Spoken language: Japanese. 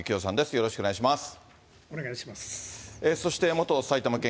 よろしくお願いします。